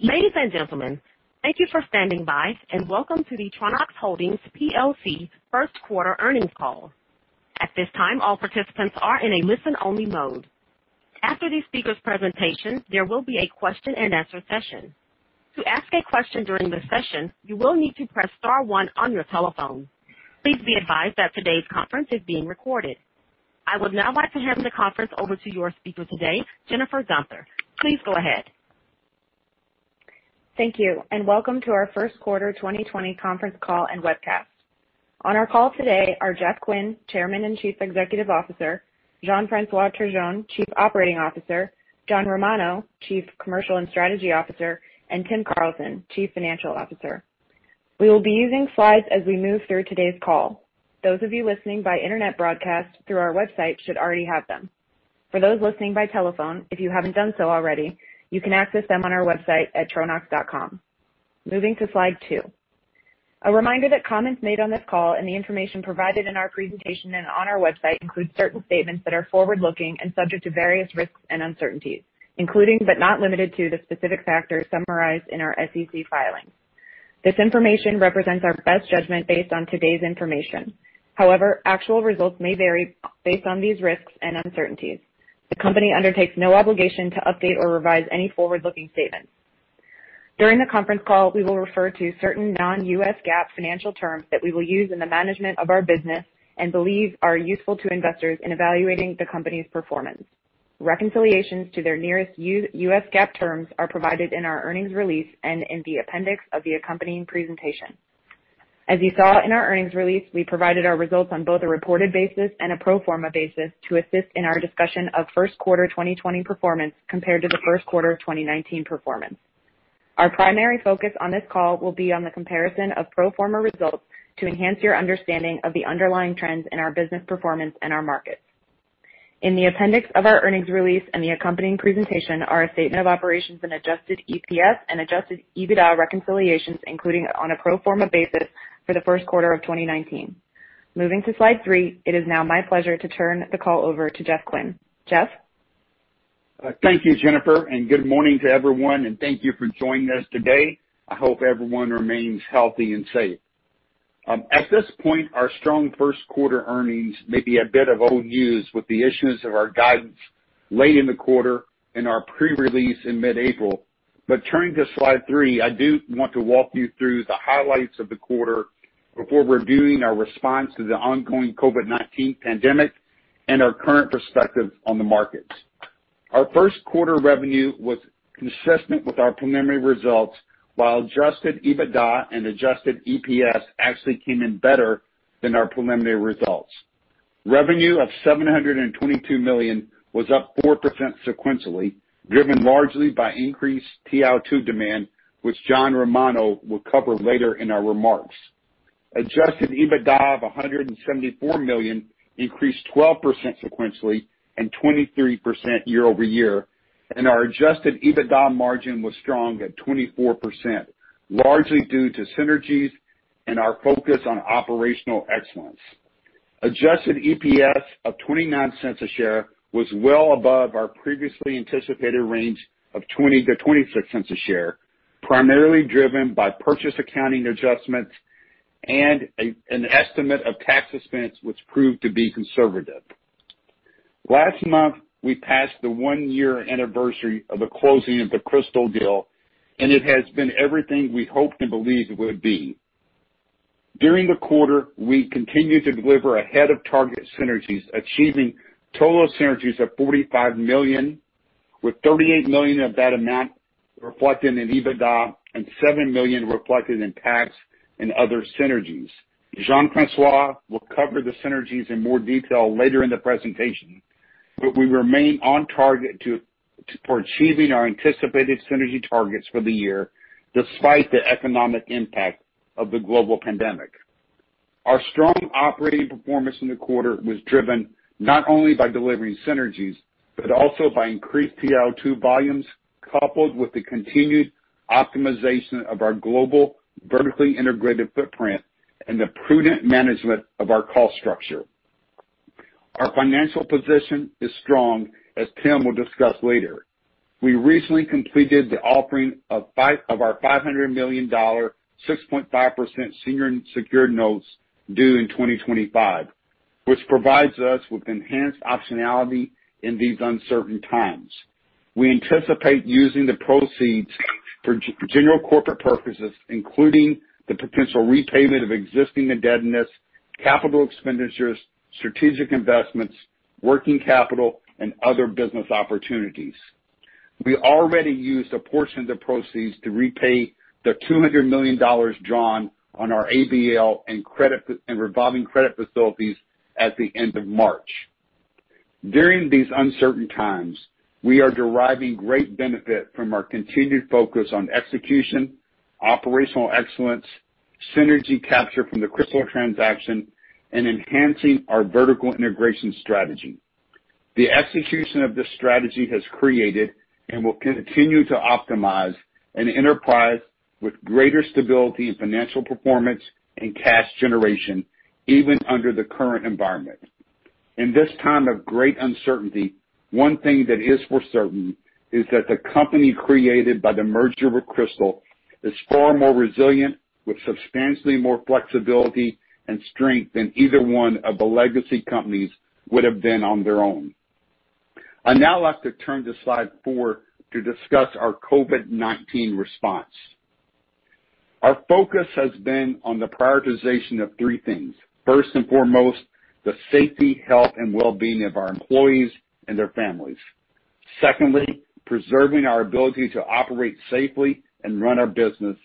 Ladies and gentlemen, thank you for standing by and welcome to the Tronox Holdings plc first quarter earnings call. At this time, all participants are in a listen-only mode. After the speaker's presentation, there will be a question and answer session. To ask a question during the session, you will need to press star one on your telephone. Please be advised that today's conference is being recorded. I would now like to hand the conference over to your speaker today, Jennifer Guenther. Please go ahead. Thank you, and welcome to our first quarter 2020 conference call and webcast. On our call today are Jeff Quinn, Chairman and Chief Executive Officer, Jean-François Turgeon, Chief Operating Officer, John Romano, Chief Commercial and Strategy Officer, and Tim Carlson, Chief Financial Officer. We will be using slides as we move through today's call. Those of you listening by internet broadcast through our website should already have them. For those listening by telephone, if you haven't done so already, you can access them on our website at tronox.com. Moving to slide two. A reminder that comments made on this call and the information provided in our presentation and on our website include certain statements that are forward-looking and subject to various risks and uncertainties, including, but not limited to, the specific factors summarized in our SEC filings. This information represents our best judgment based on today's information. Actual results may vary based on these risks and uncertainties. The company undertakes no obligation to update or revise any forward-looking statements. During the conference call, we will refer to certain non-U.S. GAAP financial terms that we will use in the management of our business and believe are useful to investors in evaluating the company's performance. Reconciliations to their nearest U.S. GAAP terms are provided in our earnings release and in the appendix of the accompanying presentation. As you saw in our earnings release, we provided our results on both a reported basis and a pro forma basis to assist in our discussion of first quarter 2020 performance compared to the first quarter of 2019 performance. Our primary focus on this call will be on the comparison of pro forma results to enhance your understanding of the underlying trends in our business performance and our markets. In the appendix of our earnings release and the accompanying presentation are a statement of operations and adjusted EPS and adjusted EBITDA reconciliations, including on a pro forma basis for the first quarter of 2019. Moving to slide three, it is now my pleasure to turn the call over to Jeff Quinn. Jeff? Thank you, Jennifer, good morning to everyone, and thank you for joining us today. I hope everyone remains healthy and safe. At this point, our strong first quarter earnings may be a bit of old news with the issuance of our guidance late in the quarter and our pre-release in mid-April. Turning to slide three, I do want to walk you through the highlights of the quarter before reviewing our response to the ongoing COVID-19 pandemic and our current perspective on the markets. Our first quarter revenue was consistent with our preliminary results, while adjusted EBITDA and adjusted EPS actually came in better than our preliminary results. Revenue of $722 million was up 4% sequentially, driven largely by increased TiO2 demand, which John Romano will cover later in our remarks. Adjusted EBITDA of $174 million increased 12% sequentially and 23% year-over-year, and our adjusted EBITDA margin was strong at 24%, largely due to synergies and our focus on operational excellence. Adjusted EPS of $0.29 was well above our previously anticipated range of $0.20-$0.26, primarily driven by purchase accounting adjustments and an estimate of tax expense which proved to be conservative. Last month, we passed the one-year anniversary of the closing of the Cristal deal, and it has been everything we hoped and believed it would be. During the quarter, we continued to deliver ahead-of-target synergies, achieving total synergies of $45 million, with $38 million of that amount reflected in EBITDA and $7 million reflected in tax and other synergies. Jean-François will cover the synergies in more detail later in the presentation, but we remain on target for achieving our anticipated synergy targets for the year, despite the economic impact of the global pandemic. Our strong operating performance in the quarter was driven not only by delivering synergies, but also by increased TiO2 volumes, coupled with the continued optimization of our global vertically integrated footprint and the prudent management of our cost structure. Our financial position is strong, as Tim will discuss later. We recently completed the offering of our $500 million, 6.5% senior secured notes due in 2025, which provides us with enhanced optionality in these uncertain times. We anticipate using the proceeds for general corporate purposes, including the potential repayment of existing indebtedness, capital expenditures, strategic investments, working capital, and other business opportunities. We already used a portion of the proceeds to repay the $200 million drawn on our ABL and revolving credit facilities at the end of March. During these uncertain times, we are deriving great benefit from our continued focus on execution, operational excellence, synergy capture from the Cristal transaction, and enhancing our vertical integration strategy. The execution of this strategy has created and will continue to optimize an enterprise with greater stability in financial performance and cash generation, even under the current environment. In this time of great uncertainty, one thing that is for certain is that the company created by the merger with Cristal is far more resilient, with substantially more flexibility and strength than either one of the legacy companies would have been on their own. I'd now like to turn to slide four to discuss our COVID-19 response. Our focus has been on the prioritization of three things. First and foremost, the safety, health, and well-being of our employees and their families. Secondly, preserving our ability to operate safely and run our business.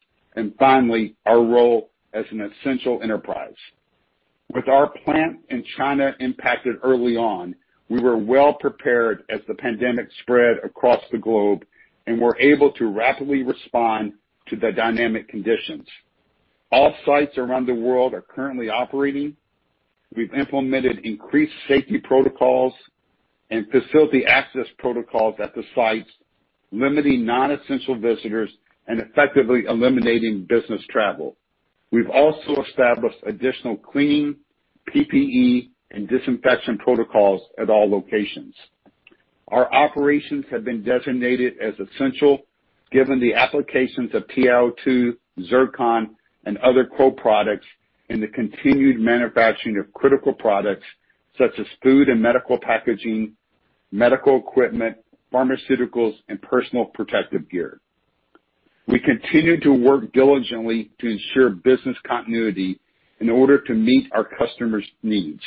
Finally, our role as an essential enterprise. With our plant in China impacted early on, we were well-prepared as the pandemic spread across the globe, and were able to rapidly respond to the dynamic conditions. All sites around the world are currently operating. We've implemented increased safety protocols and facility access protocols at the sites, limiting non-essential visitors, and effectively eliminating business travel. We've also established additional cleaning, PPE, and disinfection protocols at all locations. Our operations have been designated as essential, given the applications of TiO2, zircon, and other co-products in the continued manufacturing of critical products such as food and medical packaging, medical equipment, pharmaceuticals, and personal protective gear. We continue to work diligently to ensure business continuity in order to meet our customers' needs.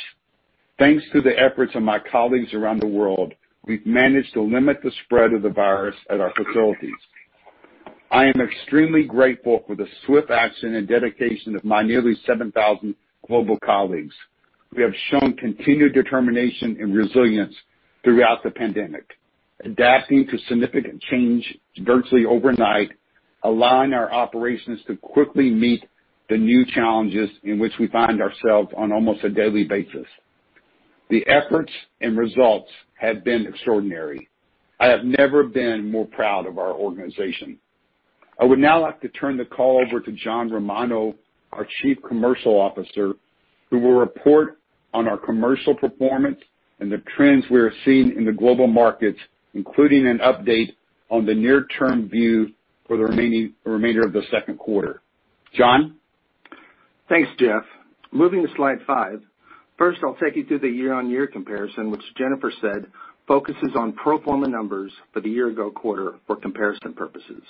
Thanks to the efforts of my colleagues around the world, we've managed to limit the spread of the virus at our facilities. I am extremely grateful for the swift action and dedication of my nearly 7,000 global colleagues. We have shown continued determination and resilience throughout the pandemic, adapting to significant change virtually overnight, allowing our operations to quickly meet the new challenges in which we find ourselves on almost a daily basis. The efforts and results have been extraordinary. I have never been more proud of our organization. I would now like to turn the call over to John Romano, our Chief Commercial Officer, who will report on our commercial performance and the trends we are seeing in the global markets, including an update on the near-term view for the remainder of the second quarter. John? Thanks, Jeff. Moving to slide five. First, I'll take you through the year-on-year comparison, which Jennifer said focuses on pro forma numbers for the year-ago quarter for comparison purposes.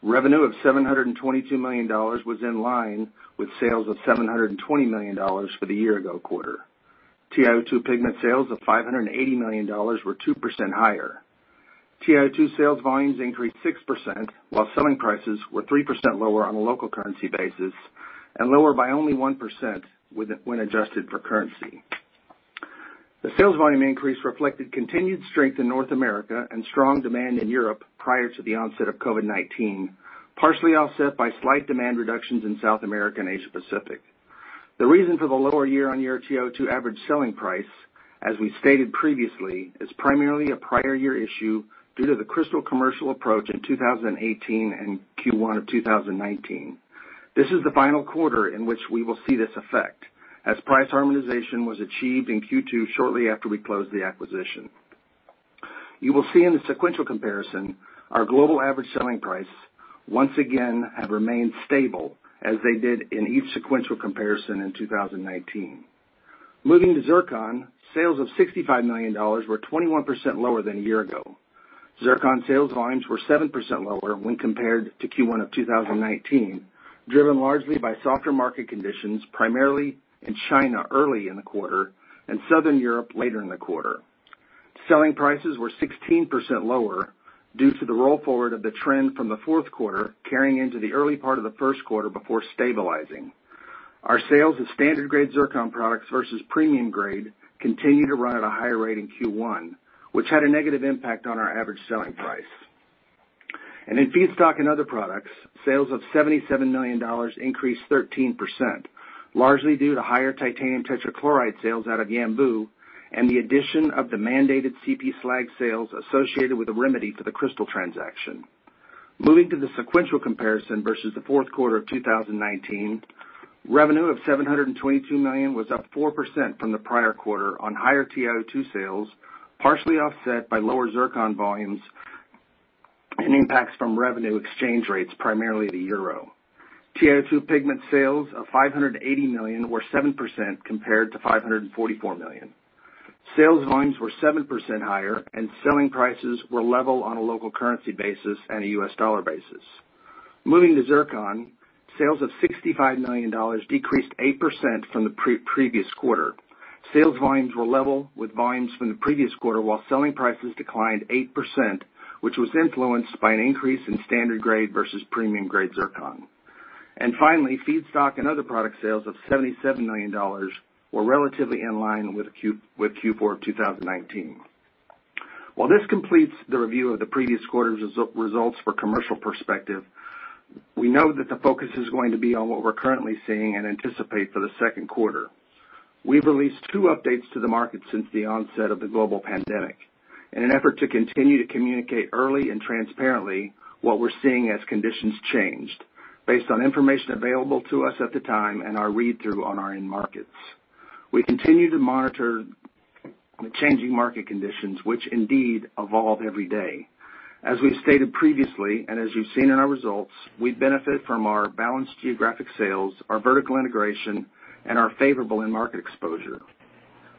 Revenue of $722 million was in line with sales of $720 million for the year-ago quarter. TiO2 pigment sales of $580 million were 2% higher. TiO2 sales volumes increased 6%, while selling prices were 3% lower on a local currency basis, and lower by only 1% when adjusted for currency. The sales volume increase reflected continued strength in North America and strong demand in Europe prior to the onset of COVID-19, partially offset by slight demand reductions in South America and Asia Pacific. The reason for the lower year-on-year TiO2 average selling price, as we stated previously, is primarily a prior year issue due to the Cristal commercial approach in 2018 and Q1 of 2019. This is the final quarter in which we will see this effect, as price harmonization was achieved in Q2 shortly after we closed the acquisition. You will see in the sequential comparison, our global average selling price, once again, have remained stable as they did in each sequential comparison in 2019. Moving to zircon, sales of $65 million were 21% lower than a year ago. Zircon sales volumes were 7% lower when compared to Q1 of 2019, driven largely by softer market conditions, primarily in China early in the quarter, and Southern Europe later in the quarter. Selling prices were 16% lower due to the roll forward of the trend from the fourth quarter carrying into the early part of the first quarter before stabilizing. Our sales of standard grade zircon products versus premium grade continue to run at a higher rate in Q1, which had a negative impact on our average selling price. In feedstock and other products, sales of $77 million increased 13%, largely due to higher titanium tetrachloride sales out of Yanbu, and the addition of the mandated CP slag sales associated with the remedy for the Cristal transaction. Moving to the sequential comparison versus the fourth quarter of 2019, revenue of $722 million was up 4% from the prior quarter on higher TiO2 sales, partially offset by lower zircon volumes and impacts from revenue exchange rates, primarily the euro. TiO2 pigment sales of $580 million were 7% compared to $544 million. Sales volumes were 7% higher, selling prices were level on a local currency basis and a US dollar basis. Moving to zircon, sales of $65 million decreased 8% from the previous quarter. Sales volumes were level with volumes from the previous quarter, while selling prices declined 8%, which was influenced by an increase in standard grade versus premium grade zircon. Finally, feedstock and other product sales of $77 million were relatively in line with Q4 of 2019. While this completes the review of the previous quarter's results for commercial perspective, we know that the focus is going to be on what we're currently seeing and anticipate for the second quarter. We've released two updates to the market since the onset of the global pandemic in an effort to continue to communicate early and transparently what we're seeing as conditions changed. Based on information available to us at the time and our read-through on our end markets. We continue to monitor the changing market conditions, which indeed evolve every day. As we've stated previously, and as you've seen in our results, we benefit from our balanced geographic sales, our vertical integration, and our favorable end market exposure.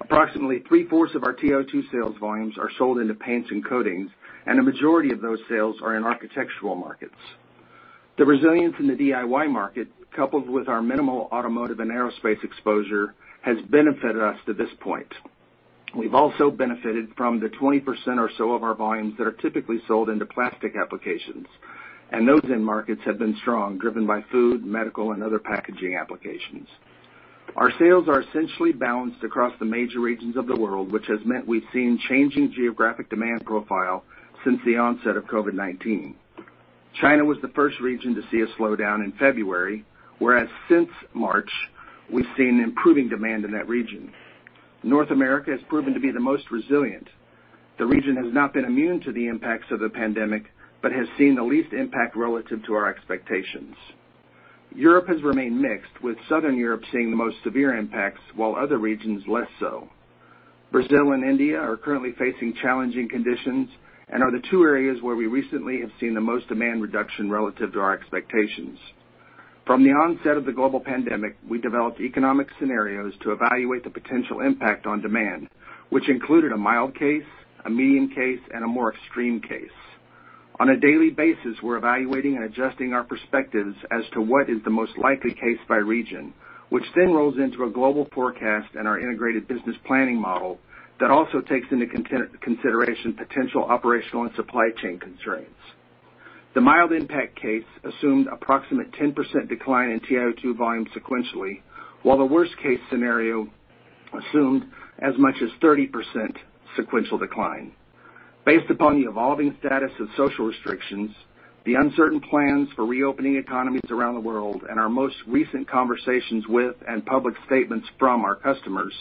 Approximately three-fourths of our TiO2 sales volumes are sold into paints and coatings, and a majority of those sales are in architectural markets. The resilience in the DIY market, coupled with our minimal automotive and aerospace exposure, has benefited us to this point. We've also benefited from the 20% or so of our volumes that are typically sold into plastic applications, and those end markets have been strong, driven by food, medical, and other packaging applications. Our sales are essentially balanced across the major regions of the world, which has meant we've seen changing geographic demand profile since the onset of COVID-19. China was the first region to see a slowdown in February, whereas since March, we've seen improving demand in that region. North America has proven to be the most resilient. The region has not been immune to the impacts of the pandemic, but has seen the least impact relative to our expectations. Europe has remained mixed, with Southern Europe seeing the most severe impacts, while other regions, less so. Brazil and India are currently facing challenging conditions and are the two areas where we recently have seen the most demand reduction relative to our expectations. From the onset of the global pandemic, we developed economic scenarios to evaluate the potential impact on demand, which included a mild case, a medium case, and a more extreme case. On a daily basis, we're evaluating and adjusting our perspectives as to what is the most likely case by region, which then rolls into a global forecast and our integrated business planning model that also takes into consideration potential operational and supply chain constraints. The mild impact case assumed approximate 10% decline in TiO2 volume sequentially, while the worst case scenario assumed as much as 30% sequential decline. Based upon the evolving status of social restrictions, the uncertain plans for reopening economies around the world, and our most recent conversations with and public statements from our customers,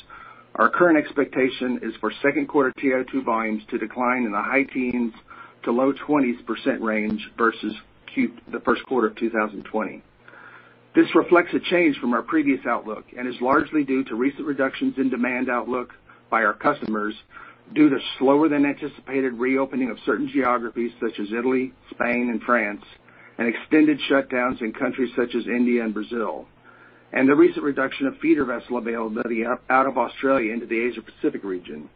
our current expectation is for second quarter TiO2 volumes to decline in the high teens to low 20s percent range versus the first quarter of 2020. This reflects a change from our previous outlook and is largely due to recent reductions in demand outlook by our customers due to slower than anticipated reopening of certain geographies such as Italy, Spain, and France, and extended shutdowns in countries such as India and Brazil, and the recent reduction of feeder vessel availability out of Australia into the Asia Pacific region.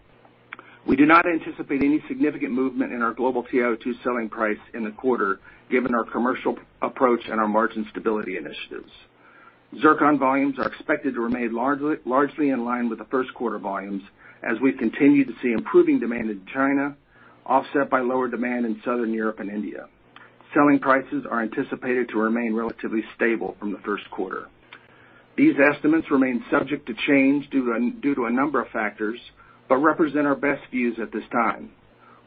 We do not anticipate any significant movement in our global TiO2 selling price in the quarter, given our commercial approach and our margin stability initiatives. Zircon volumes are expected to remain largely in line with the first quarter volumes as we continue to see improving demand in China offset by lower demand in Southern Europe and India. Selling prices are anticipated to remain relatively stable from the first quarter. These estimates remain subject to change due to a number of factors, but represent our best views at this time.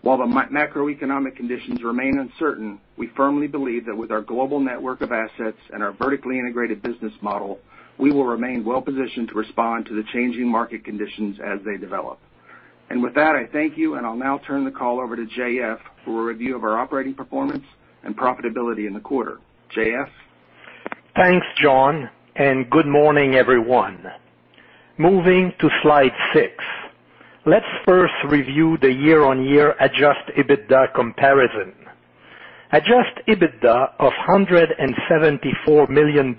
While the macroeconomic conditions remain uncertain, we firmly believe that with our global network of assets and our vertically integrated business model, we will remain well-positioned to respond to the changing market conditions as they develop. With that, I thank you, and I'll now turn the call over to JF for a review of our operating performance and profitability in the quarter. JF? Thanks, John. Good morning, everyone. Moving to slide six. Let's first review the year-on-year adjusted EBITDA comparison. Adjusted EBITDA of $174 million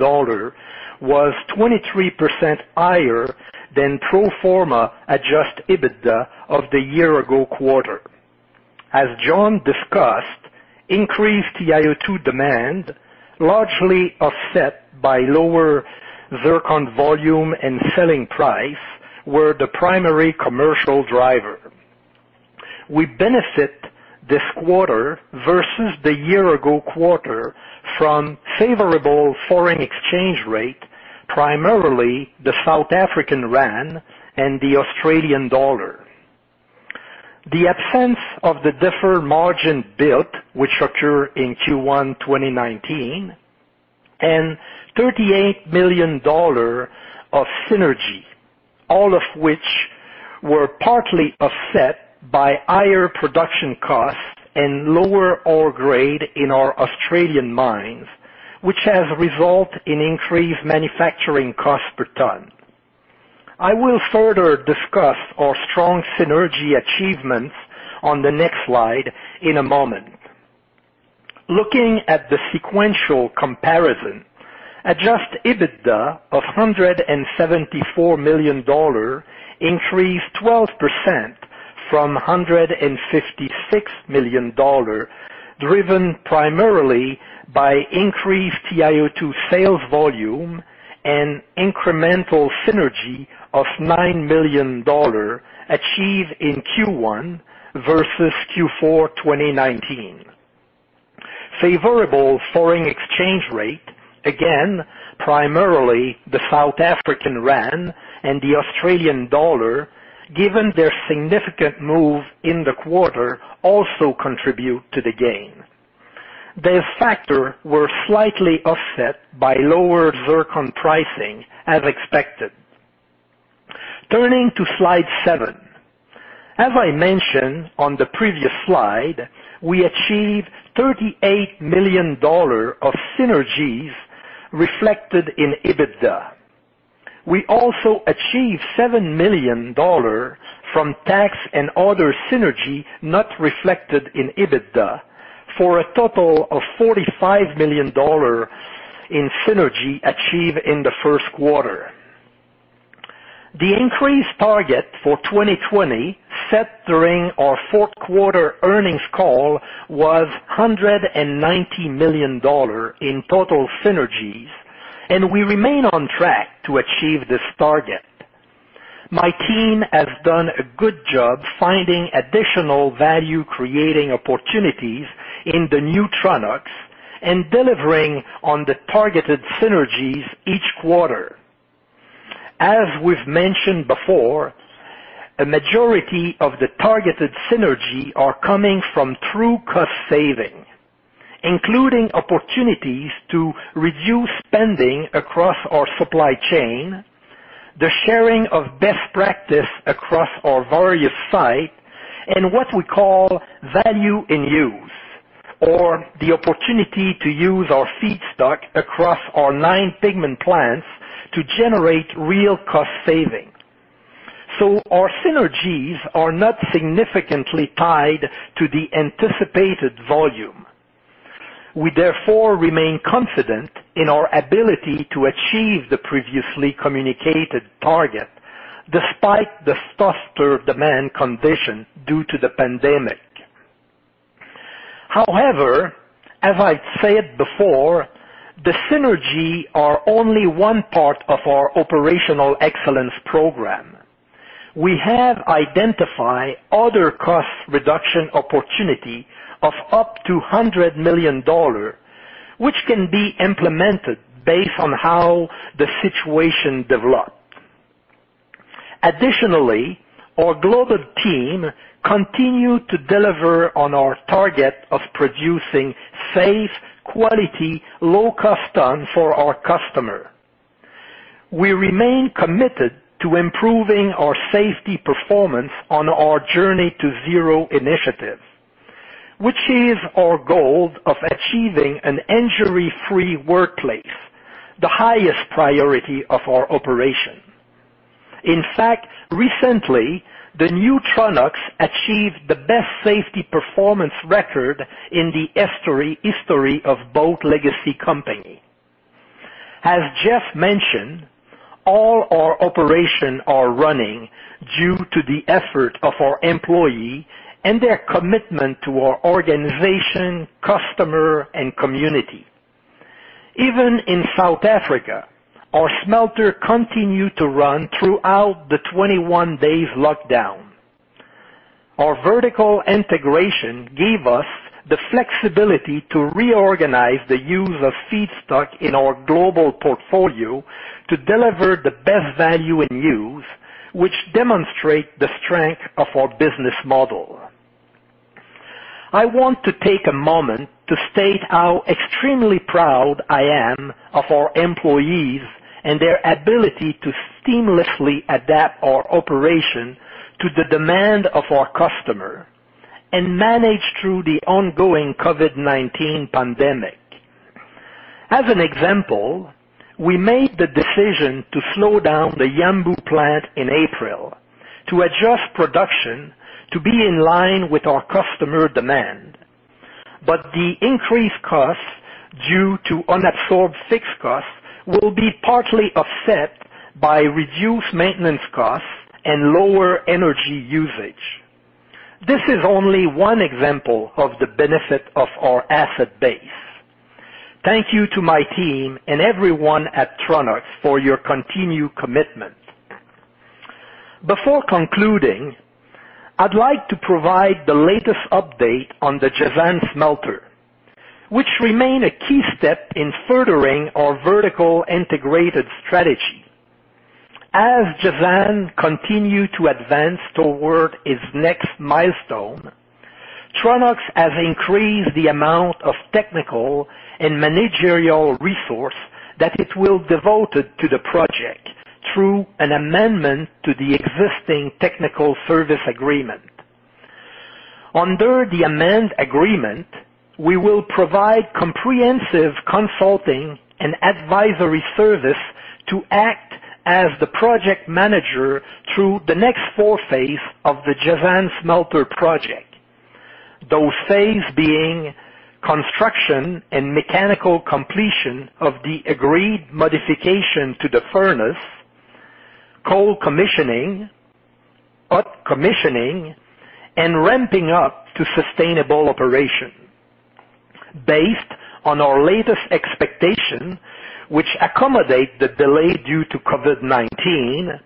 was 23% higher than pro forma adjusted EBITDA of the year-ago quarter. As John discussed, increased TiO2 demand largely offset by lower zircon volume and selling price were the primary commercial driver. We benefit this quarter versus the year-ago quarter from favorable foreign exchange rate, primarily the South African rand and the Australian dollar. The absence of the deferred margin build, which occurred in Q1 2019, and $38 million of synergy, all of which were partly offset by higher production costs and lower ore grade in our Australian mines, which has resulted in increased manufacturing cost per ton. I will further discuss our strong synergy achievements on the next slide in a moment. Looking at the sequential comparison, adjusted EBITDA of $174 million increased 12% from $156 million, driven primarily by increased TiO2 sales volume and incremental synergy of $9 million achieved in Q1 versus Q4 2019. Favorable foreign exchange rate, again, primarily the South African rand and the Australian dollar, given their significant move in the quarter, also contribute to the gain. These factors were slightly offset by lower zircon pricing, as expected. Turning to slide seven. As I mentioned on the previous slide, we achieved $38 million of synergies reflected in EBITDA. We also achieved $7 million from tax and other synergy not reflected in EBITDA for a total of $45 million in synergy achieved in the first quarter. We remain on track to achieve this target. My team has done a good job finding additional value-creating opportunities in the new Tronox and delivering on the targeted synergies each quarter. As we've mentioned before, a majority of the targeted synergy are coming from true cost saving, including opportunities to reduce spending across our supply chain, the sharing of best practice across our various site, and what we call value in use, or the opportunity to use our feedstock across our nine pigment plants to generate real cost saving. We remain confident in our ability to achieve the previously communicated target despite the tougher demand condition due to the pandemic. As I said before, the synergy are only one part of our operational excellence program. We have identified other cost reduction opportunity of up to $100 million, which can be implemented based on how the situation develops. Additionally, our global team continue to deliver on our target of producing safe, quality, low-cost tons for our customer. We remain committed to improving our safety performance on our Journey to Zero initiative, which is our goal of achieving an injury-free workplace, the highest priority of our operation. In fact, recently, the new Tronox achieved the best safety performance record in the history of both legacy company. As Jeff mentioned, all our operation are running due to the effort of our employee and their commitment to our organization, customer, and community. Even in South Africa, our smelter continued to run throughout the 21 days lockdown. Our vertical integration gave us the flexibility to reorganize the use of feedstock in our global portfolio to deliver the best value in use, which demonstrate the strength of our business model. I want to take a moment to state how extremely proud I am of our employees and their ability to seamlessly adapt our operation to the demand of our customer and manage through the ongoing COVID-19 pandemic. As an example, we made the decision to slow down the Yanbu plant in April to adjust production to be in line with our customer demand. The increased cost due to unabsorbed fixed cost will be partly offset by reduced maintenance costs and lower energy usage. This is only one example of the benefit of our asset base. Thank you to my team and everyone at Tronox for your continued commitment. Before concluding, I'd like to provide the latest update on the Jazan smelter, which remain a key step in furthering our vertical integrated strategy. As Jazan continue to advance toward its next milestone, Tronox has increased the amount of technical and managerial resource that it will devoted to the project through an amendment to the existing technical service agreement. Under the amend agreement, we will provide comprehensive consulting and advisory service to act as the project manager through the next four phase of the Jazan smelter project. Those phases being construction and mechanical completion of the agreed modification to the furnace, cold commissioning, hot commissioning, and ramping up to sustainable operation. Based on our latest expectation, which accommodate the delay due to COVID-19,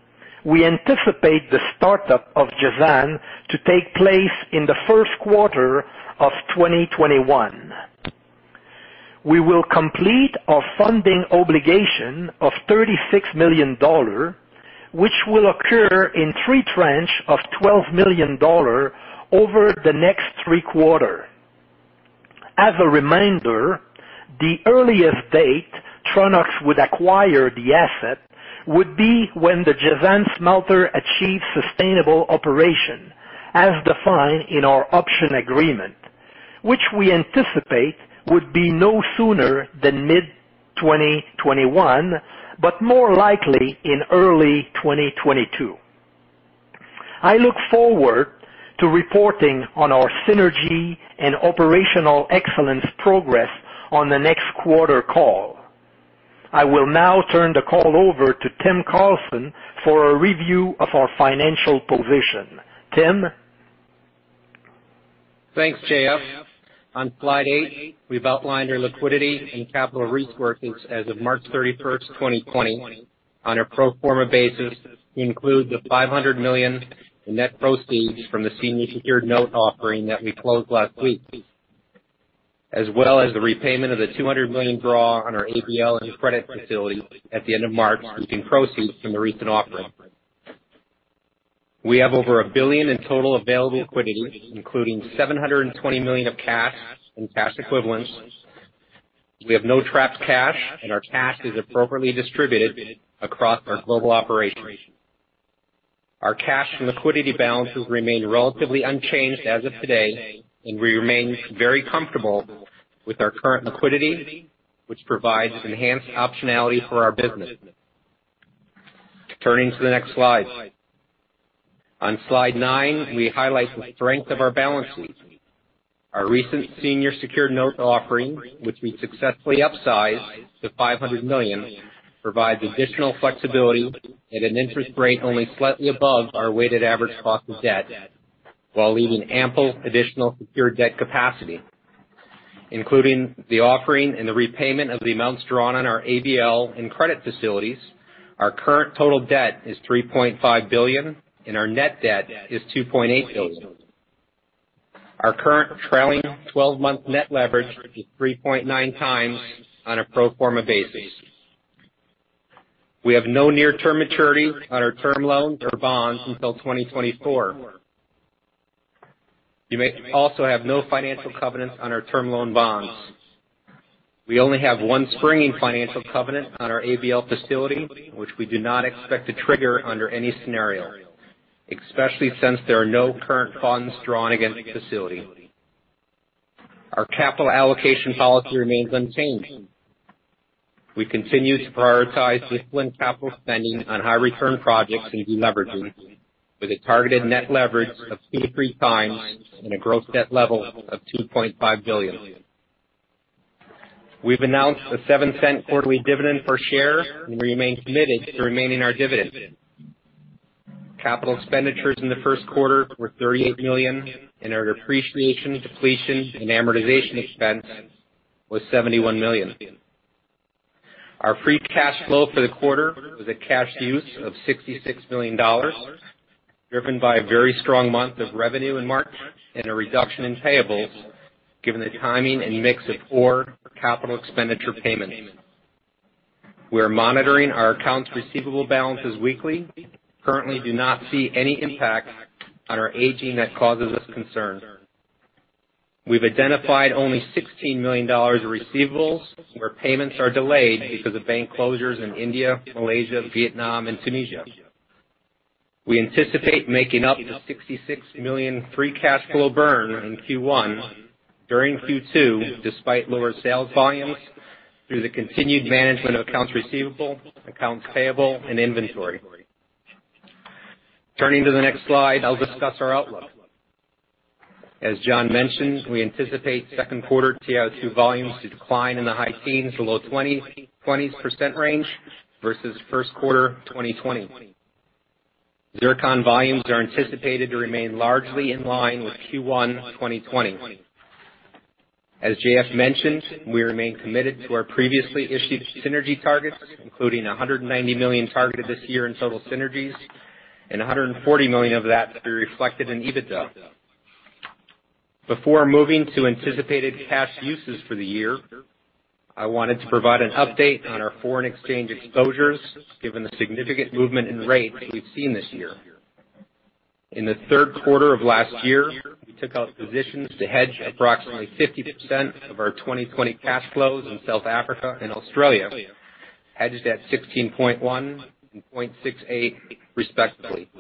we anticipate the startup of Jazan to take place in the first quarter of 2021. We will complete our funding obligation of $36 million, which will occur in three tranches of $12 million over the next three quarters. As a reminder, the earliest date Tronox would acquire the asset would be when the Jazan smelter achieves sustainable operation, as defined in our option agreement, which we anticipate would be no sooner than mid-2021, but more likely in early 2022. I look forward to reporting on our synergy and operational excellence progress on the next quarter call. I will now turn the call over to Tim Carlson for a review of our financial position. Tim. Thanks, JF. On slide eight, we've outlined our liquidity and capital resources as of March 31st, 2020, on a pro forma basis to include the $500 million in net proceeds from the senior secured note offering that we closed last week, as well as the repayment of the $200 million draw on our ABL and credit facility at the end of March, using proceeds from the recent offering. We have over $1 billion in total available liquidity, including $720 million of cash and cash equivalents. We have no trapped cash, and our cash is appropriately distributed across our global operations. Our cash and liquidity balances remain relatively unchanged as of today, and we remain very comfortable with our current liquidity, which provides enhanced optionality for our business. Turning to the next slide. On slide nine, we highlight the strength of our balance sheet. Our recent senior secured note offering, which we successfully upsized to $500 million, provides additional flexibility at an interest rate only slightly above our weighted average cost of debt, while leaving ample additional secured debt capacity. Including the offering and the repayment of the amounts drawn on our ABL and credit facilities, our current total debt is $3.5 billion, and our net debt is $2.8 billion. Our current trailing 12-month net leverage is 3.9x on a pro forma basis. We have no near-term maturity on our term loans or bonds until 2024. We also have no financial covenants on our term loan bonds. We only have one springing financial covenant on our ABL facility, which we do not expect to trigger under any scenario, especially since there are no current funds drawn against the facility. Our capital allocation policy remains unchanged. We continue to prioritize disciplined capital spending on high-return projects and net deleveraging, with a targeted net leverage of 2.3x and a gross debt level of $2.5 billion. We've announced a $0.07 quarterly dividend per share and remain committed to maintaining our dividend. Capital expenditures in the first quarter were $38 million, and our depreciation, depletion, and amortization expense was $71 million. Our free cash flow for the quarter was a cash use of $66 million, driven by a very strong month of revenue in March and a reduction in payables, given the timing and mix of our capital expenditure payments. We are monitoring our accounts receivable balances weekly. Currently, do not see any impact on our aging that causes us concern. We've identified only $16 million of receivables, where payments are delayed because of bank closures in India, Malaysia, Vietnam, and Tunisia. We anticipate making up the $66 million free cash flow burn in Q1 during Q2, despite lower sales volumes, through the continued management of accounts receivable, accounts payable, and inventory. Turning to the next slide, I'll discuss our outlook. As John mentioned, we anticipate second quarter TiO2 volumes to decline in the high teens to low 20s percent range versus first quarter 2020. Zircon volumes are anticipated to remain largely in line with Q1 2020. As JF mentioned, we remain committed to our previously issued synergy targets, including $190 million targeted this year in total synergies, and $140 million of that to be reflected in EBITDA. Before moving to anticipated cash uses for the year, I wanted to provide an update on our foreign exchange exposures, given the significant movement in rates that we've seen this year. In the third quarter of last year, we took out positions to hedge approximately 50% of our 2020 cash flows in South Africa and Australia, hedged at 16.1 and 0.68 respectively.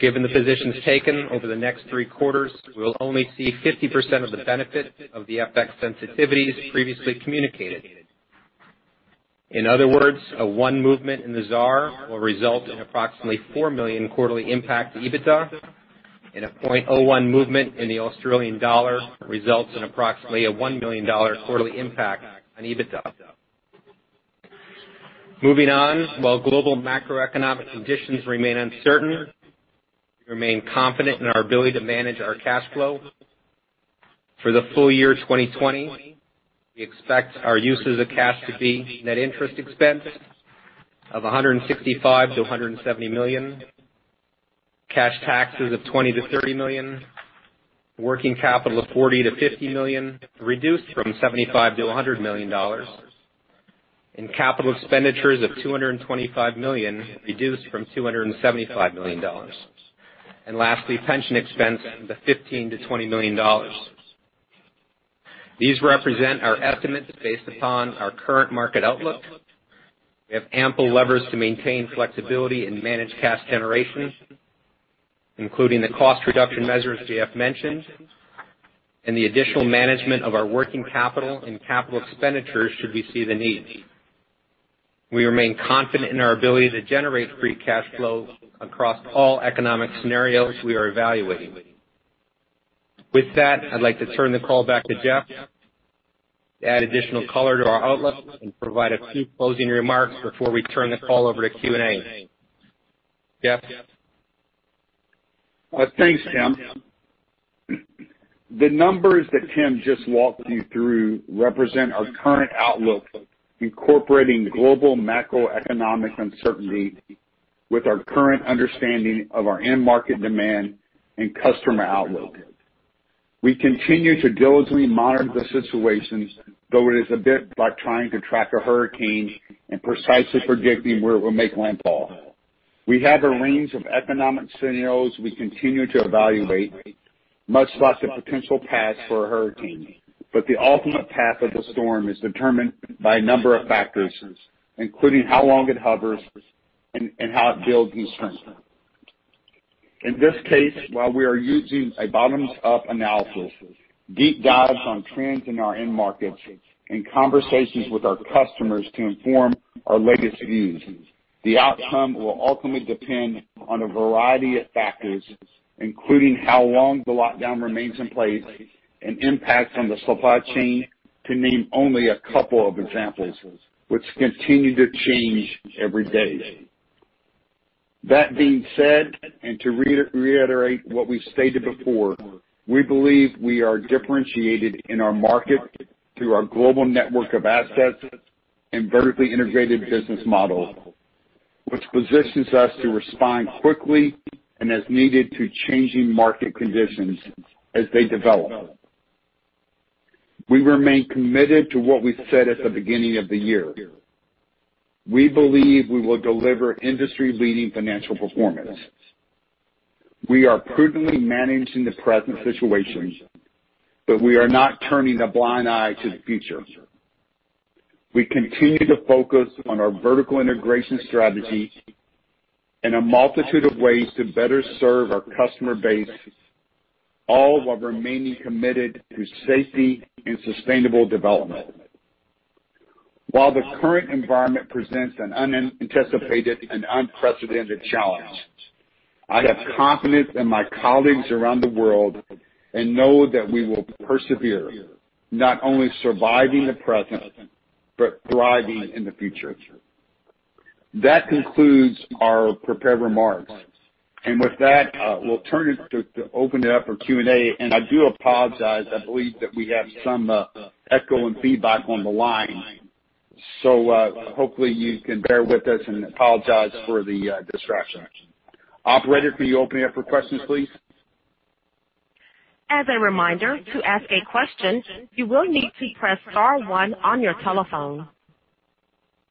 Given the positions taken over the next three quarters, we'll only see 50% of the benefit of the FX sensitivities previously communicated. In other words, a one movement in the ZAR will result in approximately $4 million quarterly impact to EBITDA, and a 0.01 movement in the Australian dollar results in approximately a $1 million quarterly impact on EBITDA. Moving on, while global macroeconomic conditions remain uncertain, we remain confident in our ability to manage our free cash flow. For the full year 2020, we expect our uses of cash to be net interest expense of $165 million-$170 million, cash taxes of $20 million-$30 million, working capital of $40 million-$50 million, reduced from $75 million-$100 million. Capital expenditures of $225 million, reduced from $275 million. Lastly, pension expense in the $15 million-$20 million. These represent our estimates based upon our current market outlook. We have ample levers to maintain flexibility and manage cash generation, including the cost reduction measures JF mentioned, and the additional management of our working capital and capital expenditures should we see the need. We remain confident in our ability to generate free cash flow across all economic scenarios we are evaluating. With that, I'd like to turn the call back to Jeff to add additional color to our outlook and provide a few closing remarks before we turn the call over to Q&A. Jeff? Thanks, Tim. The numbers that Tim just walked you through represent our current outlook, incorporating global macroeconomic uncertainty with our current understanding of our end market demand and customer outlook. We continue to diligently monitor the situation, though it is a bit like trying to track a hurricane and precisely predicting where it will make landfall. We have a range of economic scenarios we continue to evaluate, much like the potential paths for a hurricane. The ultimate path of the storm is determined by a number of factors, including how long it hovers and how it builds and strengthens. In this case, while we are using a bottoms-up analysis, deep dives on trends in our end markets, and conversations with our customers to inform our latest views, the outcome will ultimately depend on a variety of factors, including how long the lockdown remains in place and impact from the supply chain, to name only a couple of examples, which continue to change every day. That being said, and to reiterate what we've stated before, we believe we are differentiated in our market through our global network of assets and vertically integrated business model, which positions us to respond quickly and as needed to changing market conditions as they develop. We remain committed to what we said at the beginning of the year. We believe we will deliver industry-leading financial performance. We are prudently managing the present situation, but we are not turning a blind eye to the future. We continue to focus on our vertical integration strategy and a multitude of ways to better serve our customer base, all while remaining committed to safety and sustainable development. While the current environment presents an unanticipated and unprecedented challenge, I have confidence in my colleagues around the world and know that we will persevere, not only surviving the present, but thriving in the future. That concludes our prepared remarks. With that, we'll turn it to open it up for Q&A. I do apologize. I believe that we have some echo and feedback on the line, so hopefully you can bear with us and apologize for the distraction. Operator, can you open it up for questions, please? As a reminder, to ask a question, you will need to press star one on your telephone.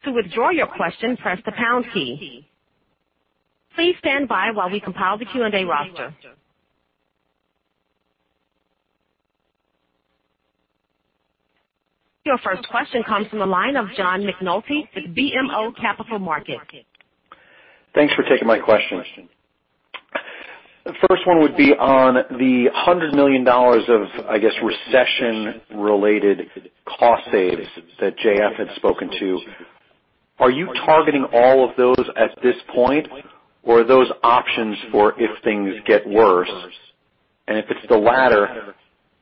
To withdraw your question, press the pound key. Please stand by while we compile the Q&A roster. Your first question comes from the line of John McNulty with BMO Capital Markets. Thanks for taking my question. The first one would be on the $100 million of, I guess, recession-related cost saves that JF had spoken to. Are you targeting all of those at this point, or are those options for if things get worse? If it's the latter,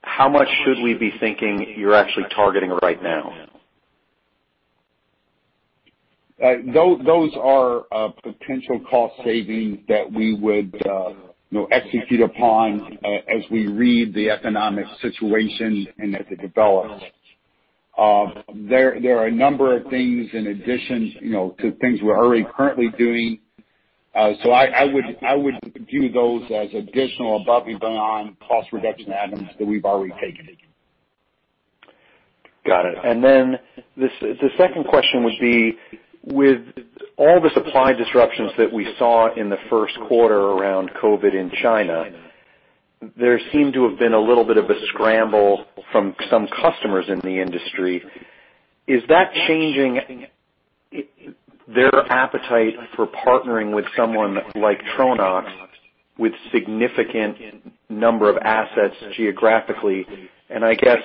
how much should we be thinking you're actually targeting right now? Those are potential cost savings that we would execute upon as we read the economic situation and as it develops. There are a number of things in addition to things we're already currently doing. I would view those as additional above and beyond cost reduction items that we've already taken. Got it. The second question would be, with all the supply disruptions that we saw in the first quarter around COVID in China, there seemed to have been a little bit of a scramble from some customers in the industry. Is that changing their appetite for partnering with someone like Tronox with significant number of assets geographically? I guess,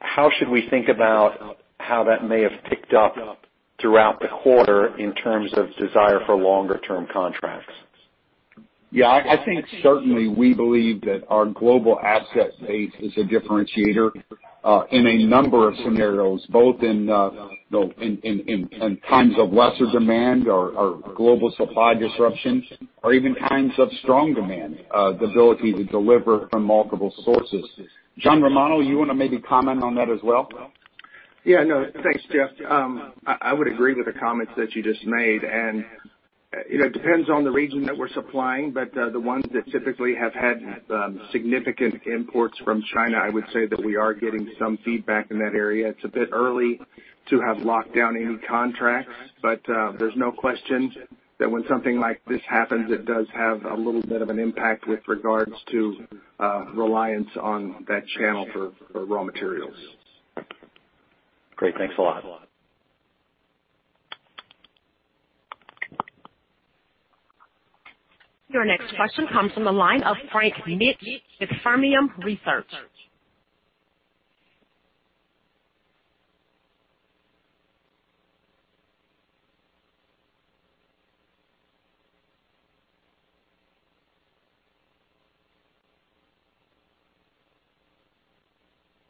how should we think about how that may have picked up throughout the quarter in terms of desire for longer-term contracts? Yeah, I think certainly we believe that our global asset base is a differentiator in a number of scenarios, both in times of lesser demand or global supply disruptions, or even times of strong demand, the ability to deliver from multiple sources. John Romano, you want to maybe comment on that as well? Yeah, no. Thanks, Jeff. I would agree with the comments that you just made. It depends on the region that we're supplying, but the ones that typically have had significant imports from China, I would say that we are getting some feedback in that area. It's a bit early to have locked down any contracts, but there's no question that when something like this happens, it does have a little bit of an impact with regards to reliance on that channel for raw materials. Great. Thanks a lot. Your next question comes from the line of Frank Mitsch with Fermium Research.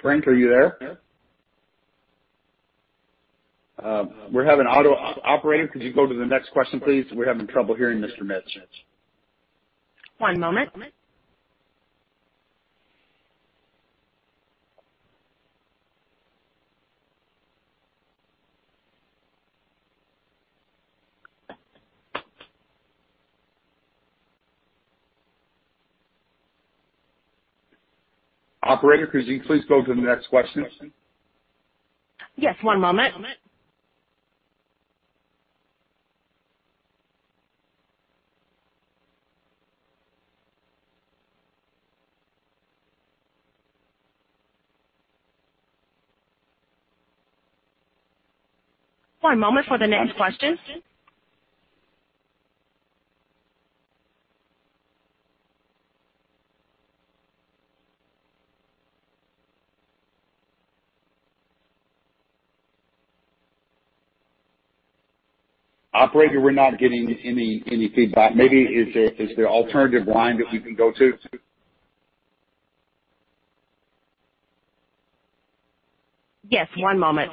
Frank, are you there? We have an auto operator. Could you go to the next question, please? We are having trouble hearing Mr. Mitsch. One moment. Operator, could you please go to the next question? Yes, one moment. One moment for the next question. Operator, we're not getting any feedback. Maybe is there an alternative line that we can go to? Yes, one moment.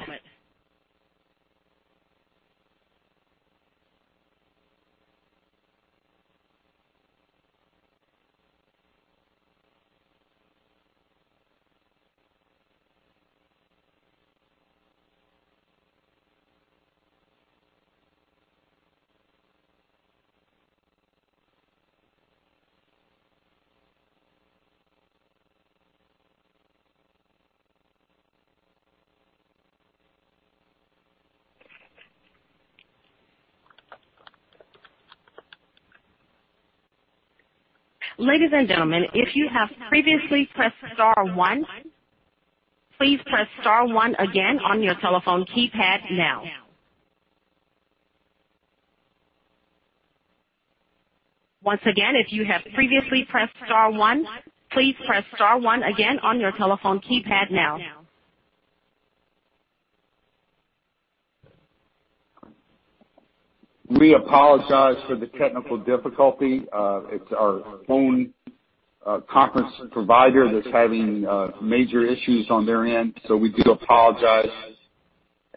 Ladies and gentlemen, if you have previously pressed star one, please press star one again on your telephone keypad now. Once again, if you have previously pressed star one, please press star one again on your telephone keypad now. We apologize for the technical difficulty. It's our phone conference provider that's having major issues on their end. We do apologize,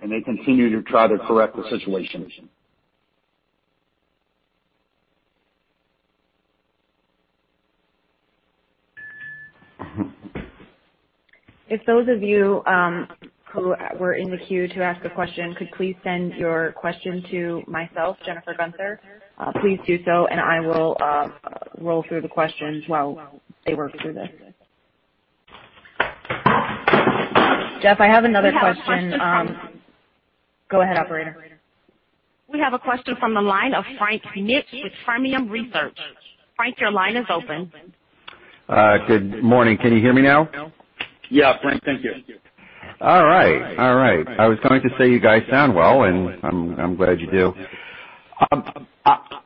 and they continue to try to correct the situation. If those of you who were in the queue to ask a question could please send your question to myself, Jennifer Guenther. Please do so and I will roll through the questions while they work through this. Jeff, I have another question. Go ahead, operator. We have a question from the line of Frank Mitsch with Fermium Research. Frank, your line is open. Good morning. Can you hear me now? Yeah, Frank, thank you. All right. I was going to say you guys sound well, and I'm glad you do.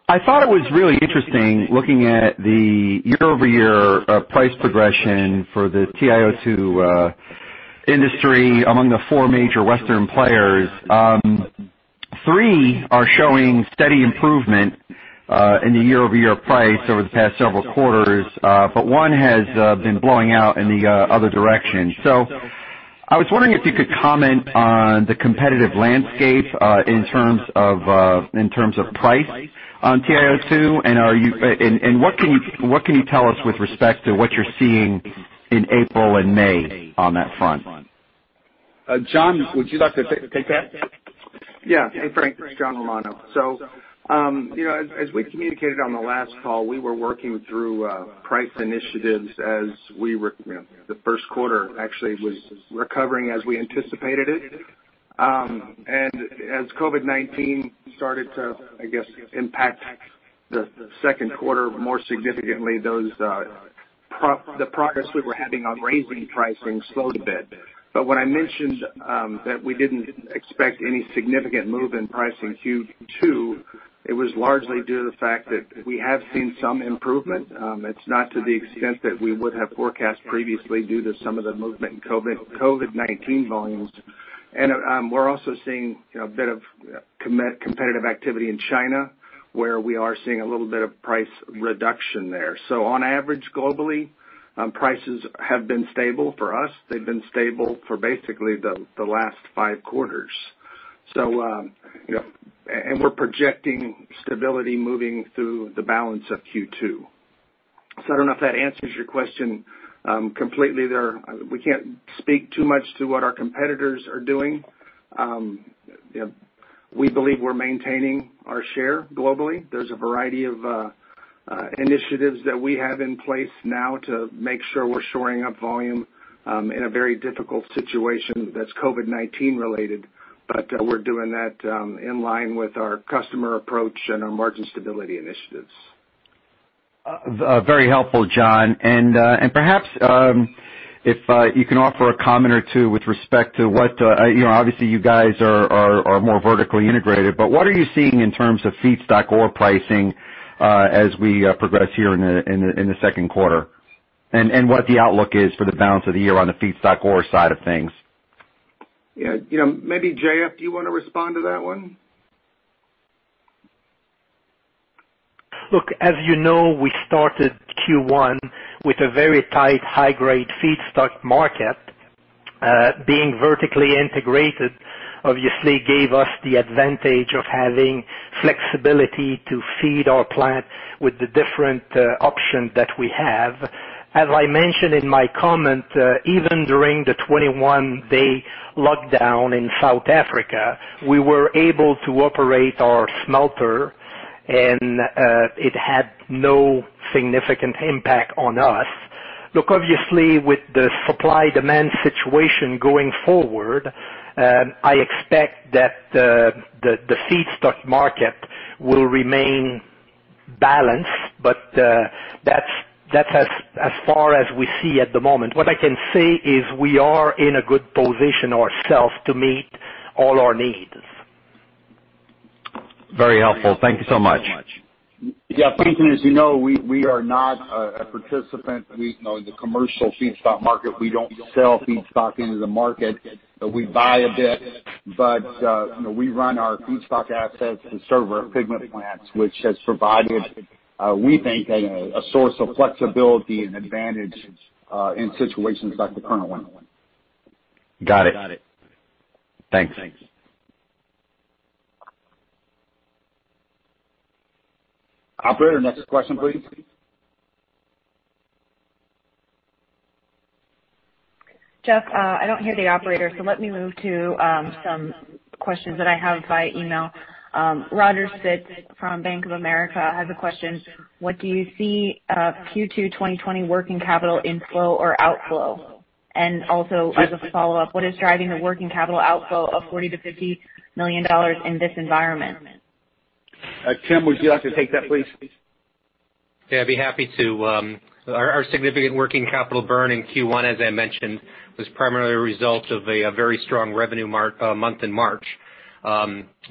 I thought it was really interesting looking at the year-over-year price progression for the TiO2 industry among the four major Western players. Three are showing steady improvement in the year-over-year price over the past several quarters. One has been blowing out in the other direction. I was wondering if you could comment on the competitive landscape in terms of price on TiO2, and what can you tell us with respect to what you're seeing in April and May on that front? John, would you like to take that? Yeah. Hey, Frank, this is John Romano. As we communicated on the last call, we were working through price initiatives as the first quarter actually was recovering as we anticipated it. As COVID-19 started to, I guess, impact the second quarter more significantly, the progress we were having on raising pricing slowed a bit. When I mentioned that we didn't expect any significant move in pricing Q2, it was largely due to the fact that we have seen some improvement. It's not to the extent that we would have forecast previously due to some of the movement in COVID-19 volumes. We're also seeing a bit of competitive activity in China, where we are seeing a little bit of price reduction there. On average, globally, prices have been stable for us. They've been stable for basically the last five quarters. We're projecting stability moving through the balance of Q2. I don't know if that answers your question completely there. We can't speak too much to what our competitors are doing. We believe we're maintaining our share globally. There's a variety of initiatives that we have in place now to make sure we're shoring up volume in a very difficult situation that's COVID-19 related. We're doing that in line with our customer approach and our margin stability initiatives. Very helpful, John. Perhaps, if you can offer a comment or two with respect to obviously you guys are more vertically integrated, but what are you seeing in terms of feedstock ore pricing as we progress here in the second quarter? What the outlook is for the balance of the year on the feedstock ore side of things. Yeah. Maybe, JF, do you want to respond to that one? Look, as you know, we started Q1 with a very tight, high-grade feedstock market. Being vertically integrated obviously gave us the advantage of having flexibility to feed our plant with the different options that we have. As I mentioned in my comment, even during the 21-day lockdown in South Africa, we were able to operate our smelter, and it had no significant impact on us. Look, obviously, with the supply-demand situation going forward, I expect that the feedstock market will remain balanced, but that's as far as we see at the moment. What I can say is we are in a good position ourselves to meet all our needs. Very helpful. Thank you so much. Yes Frank, as you know, we are not a participant in the commercial feedstock market. We don't sell feedstock into the market. We buy a bit. We run our feedstock assets to serve our pigment plants, which has provided, we think, a source of flexibility and advantage in situations like the current one. Got it. Thanks. Operator, next question, please. Jeff, I don't hear the operator, so let me move to some questions that I have by email. Roger Spitz from Bank of America has a question: What do you see Q2 2020 working capital inflow or outflow? As a follow-up, what is driving the working capital outflow of $40 million-$50 million in this environment? Tim, would you like to take that, please? Yeah, I'd be happy to. Our significant working capital burn in Q1, as I mentioned, was primarily a result of a very strong revenue month in March.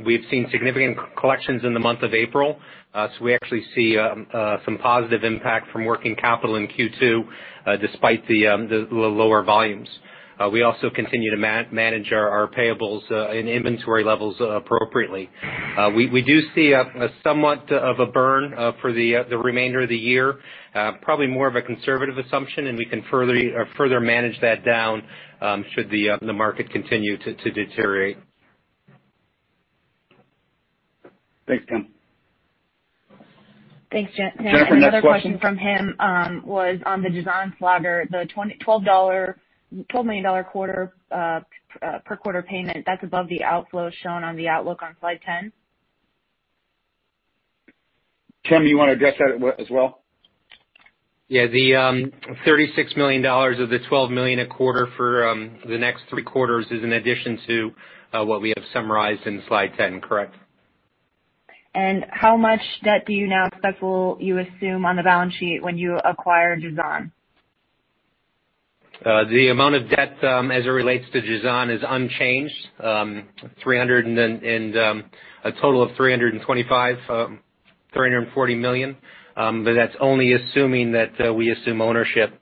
We've seen significant collections in the month of April, so we actually see some positive impact from working capital in Q2, despite the lower volumes. We also continue to manage our payables and inventory levels appropriately. We do see somewhat of a burn for the remainder of the year. Probably more of a conservative assumption, and we can further manage that down should the market continue to deteriorate. Thanks, Tim. Thanks. Jennifer, next question. Another question from him was on the Jazan slagger, the $12 million per quarter payment, that's above the outflow shown on the outlook on slide 10? Tim, you want to address that as well? Yeah. The $36 million or the $12 million a quarter for the next three quarters is in addition to what we have summarized in slide 10. Correct. How much debt do you now expect will you assume on the balance sheet when you acquire Jazan? The amount of debt as it relates to Jazan is unchanged, a total of $325 million, $340 million, but that's only assuming that we assume ownership,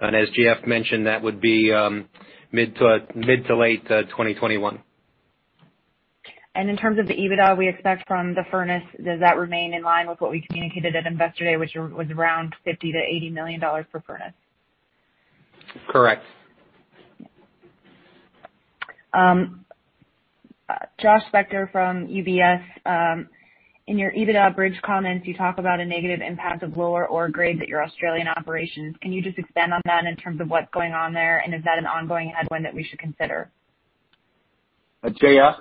and as JF mentioned, that would be mid to late 2021. In terms of the EBITDA we expect from the furnace, does that remain in line with what we communicated at Investor Day, which was around $50 million-$80 million per furnace? Correct. Josh Spector from UBS. In your EBITDA bridge comments, you talk about a negative impact of lower ore grade at your Australian operations. Can you just expand on that in terms of what's going on there, and is that an ongoing headwind that we should consider? JF?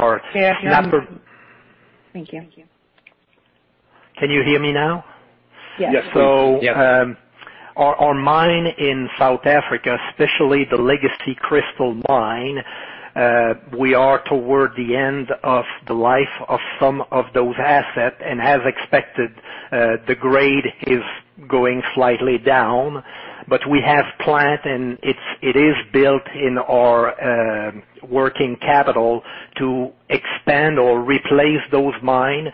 All right. Thank you. Can you hear me now? Yes, please. Our mine in South Africa, especially the Legacy Cristal mine, we are toward the end of the life of some of those assets, and as expected, the grade is going slightly down. We have planned, and it is built in our working capital to expand or replace those mines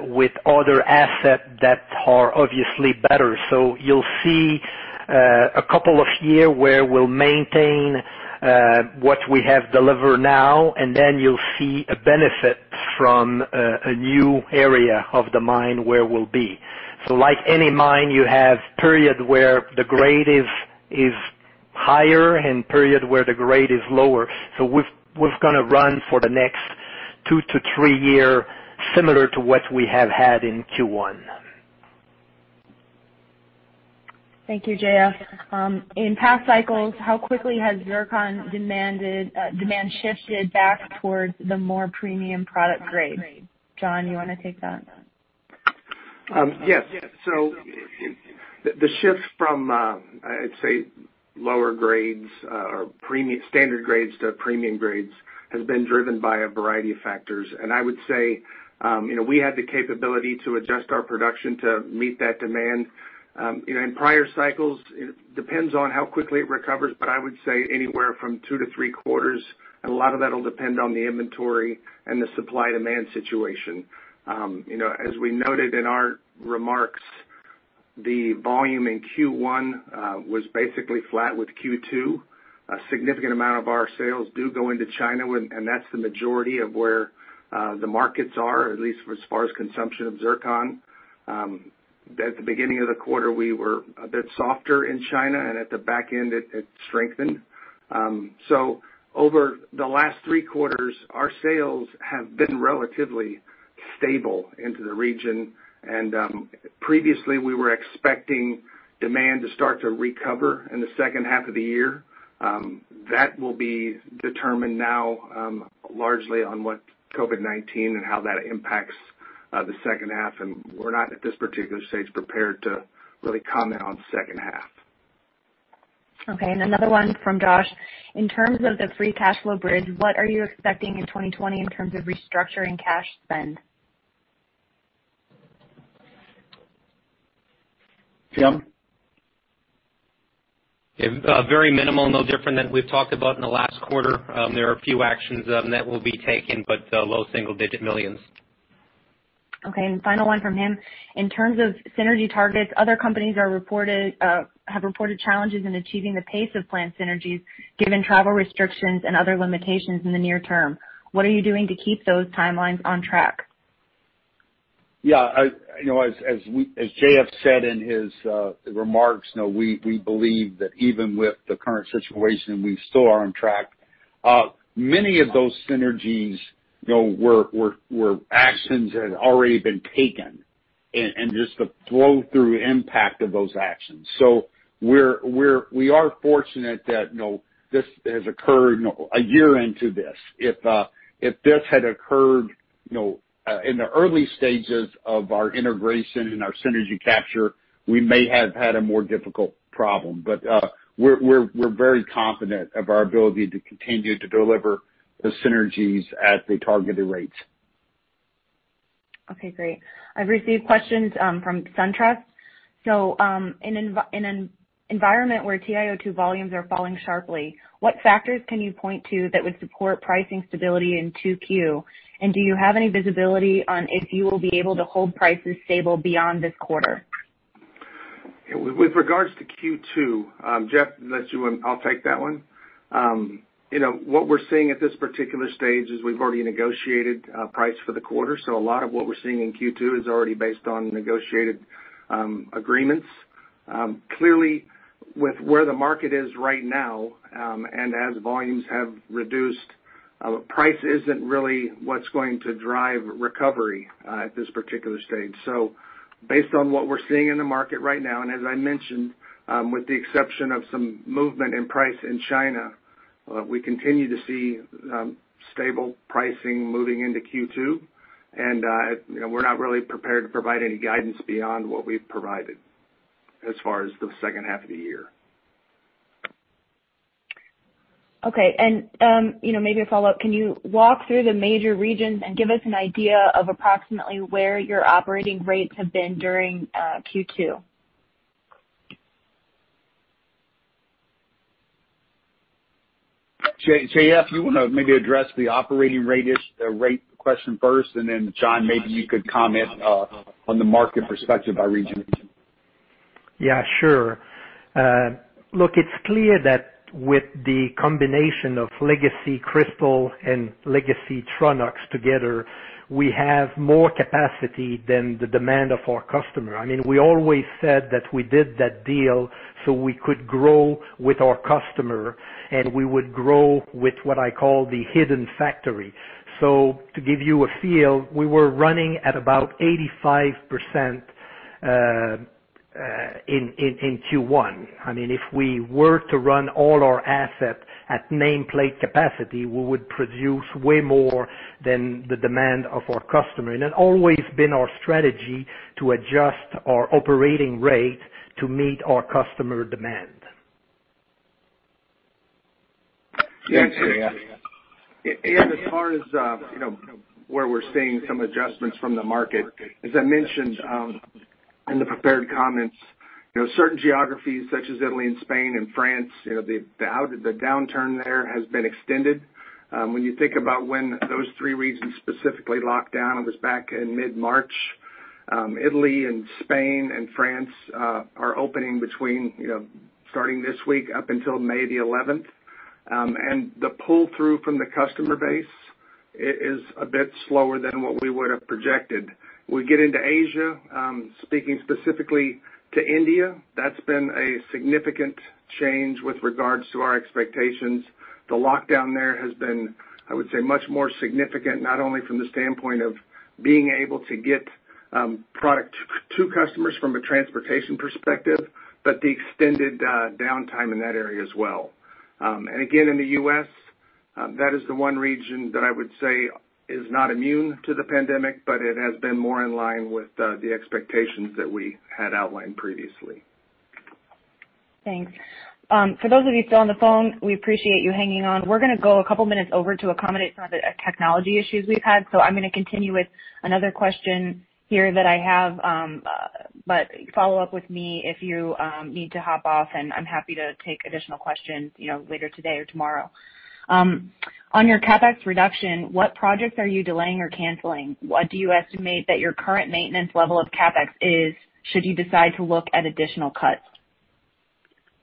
with other assets that are obviously better. You'll see a couple of years where we'll maintain what we have delivered now, and then you'll see a benefit from a new area of the mine where we'll be. Like any mine, you have periods where the grade is higher and periods where the grade is lower. We're going to run for the next two to three years similar to what we have had in Q1. Thank you, JF. In past cycles, how quickly has zircon demand shifted back towards the more premium product grade? John, you want to take that? Yes. The shift from, I'd say, lower grades or standard grades to premium grades has been driven by a variety of factors. I would say we had the capability to adjust our production to meet that demand. In prior cycles, it depends on how quickly it recovers, but I would say anywhere from two to three quarters, and a lot of that'll depend on the inventory and the supply-demand situation. As we noted in our remarks, the volume in Q1 was basically flat with Q2. A significant amount of our sales do go into China, and that's the majority of where the markets are, at least as far as consumption of zircon. At the beginning of the quarter, we were a bit softer in China, and at the back end it strengthened. Over the last three quarters, our sales have been relatively stable into the region. Previously we were expecting demand to start to recover in the second half of the year. That will be determined now largely on what COVID-19 and how that impacts the second half. We're not at this particular stage prepared to really comment on second half. Okay. Another one from Josh. In terms of the free cash flow bridge, what are you expecting in 2020 in terms of restructuring cash spend? Tim? Very minimal. No different than we've talked about in the last quarter. There are a few actions that will be taken, but low single-digit millions. Okay. Final one from him. In terms of synergy targets, other companies have reported challenges in achieving the pace of planned synergies, given travel restrictions and other limitations in the near term. What are you doing to keep those timelines on track? As JF said in his remarks, we believe that even with the current situation, we still are on track. Many of those synergies were actions that had already been taken, and just the flow-through impact of those actions. We are fortunate that this has occurred a year into this. If this had occurred in the early stages of our integration and our synergy capture, we may have had a more difficult problem. We're very confident of our ability to continue to deliver the synergies at the targeted rates. Okay, great. I've received questions from SunTrust. In an environment where TiO2 volumes are falling sharply, what factors can you point to that would support pricing stability in 2Q? Do you have any visibility on if you will be able to hold prices stable beyond this quarter? With regards to Q2, Jeff, unless you want, I'll take that one. What we're seeing at this particular stage is we've already negotiated price for the quarter. A lot of what we're seeing in Q2 is already based on negotiated agreements. Clearly, with where the market is right now, and as volumes have reduced, price isn't really what's going to drive recovery at this particular stage. Based on what we're seeing in the market right now, and as I mentioned, with the exception of some movement in price in China, we continue to see stable pricing moving into Q2. We're not really prepared to provide any guidance beyond what we've provided as far as the second half of the year. Okay. Maybe a follow-up. Can you walk through the major regions and give us an idea of approximately where your operating rates have been during Q2? JF, you want to maybe address the operating rate question first, and then John, maybe you could comment on the market perspective by region. Yeah, sure. Look, it's clear that with the combination of legacy Cristal and legacy Tronox together, we have more capacity than the demand of our customer. We always said that we did that deal so we could grow with our customer, and we would grow with what I call the hidden factory. To give you a feel, we were running at about 85% in Q1. If we were to run all our assets at nameplate capacity, we would produce way more than the demand of our customer. It always been our strategy to adjust our operating rate to meet our customer demand. Thanks, JF. As far as where we're seeing some adjustments from the market, as I mentioned in the prepared comments, certain geographies such as Italy and Spain and France, the downturn there has been extended. When you think about when those three regions specifically locked down, it was back in mid-March. Italy and Spain and France are opening between starting this week up until May the 11th. The pull-through from the customer base is a bit slower than what we would have projected. We get into Asia, speaking specifically to India, that's been a significant change with regards to our expectations. The lockdown there has been, I would say, much more significant, not only from the standpoint of being able to get product to customers from a transportation perspective, but the extended downtime in that area as well. Again, in the U.S., that is the one region that I would say is not immune to the pandemic, but it has been more in line with the expectations that we had outlined previously. Thanks. For those of you still on the phone, we appreciate you hanging on. We're going to go a couple of minutes over to accommodate some of the technology issues we've had. I'm going to continue with another question here that I have. Follow up with me if you need to hop off, and I'm happy to take additional questions later today or tomorrow. On your CapEx reduction, what projects are you delaying or canceling? What do you estimate that your current maintenance level of CapEx is, should you decide to look at additional cuts?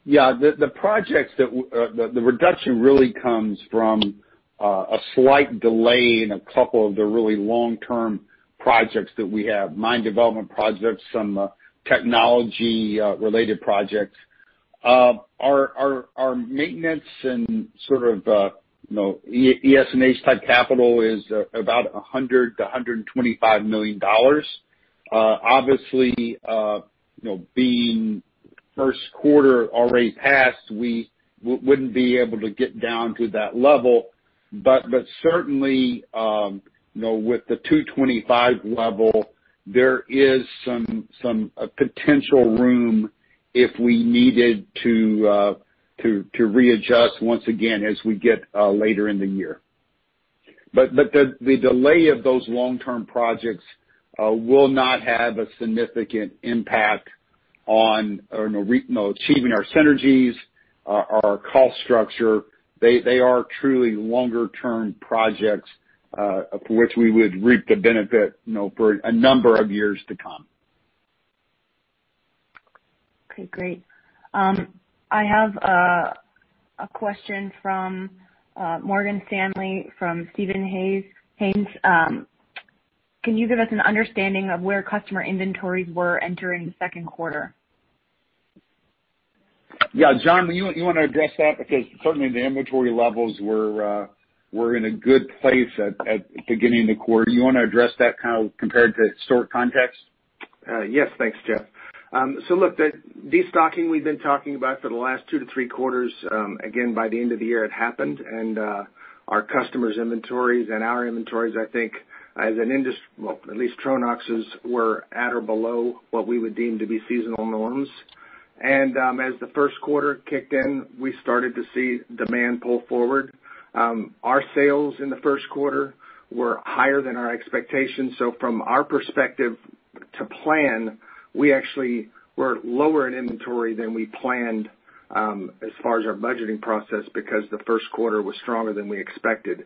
Yeah. The reduction really comes from a slight delay in a couple of the really long-term projects that we have. Mine development projects, some technology-related projects. Our maintenance and ESH type capital is about $100 million-$125 million. Obviously, being first quarter already passed, we wouldn't be able to get down to that level. Certainly, with the 225 level, there is some potential room if we needed to readjust once again as we get later in the year. The delay of those long-term projects will not have a significant impact on achieving our synergies, our cost structure. They are truly longer-term projects, for which we would reap the benefit for a number of years to come. Okay, great. I have a question from Morgan Stanley from Steven Haynes. Can you give us an understanding of where customer inventories were entering the second quarter? Yeah. John, you want to address that? Certainly, the inventory levels were in a good place at the beginning of the quarter. You want to address that kind of compared to historic context? Yes. Thanks, Jeff. Look, the de-stocking we've been talking about for the last two to three quarters, again, by the end of the year, it happened. Our customers' inventories and our inventories, I think as an industry, well, at least Tronox's, were at or below what we would deem to be seasonal norms. As the first quarter kicked in, we started to see demand pull forward. Our sales in the first quarter were higher than our expectations. From our perspective to plan, we actually were lower in inventory than we planned, as far as our budgeting process, because the first quarter was stronger than we expected.